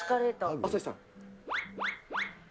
朝日さん。